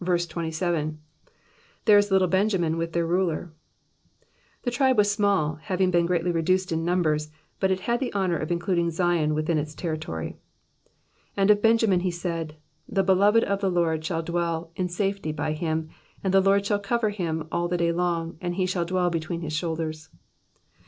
^^ There is little Benjamin vith their ruler,'''' The tribe was small, having been greatly reduced in numbers, but it had the honour of including Zion within its territory. And of Benjamin he said. The beloved of the Lord shall dwell in safety by him ; and the Lord shall cover him all the day long, and he shall dwell between his shoulders."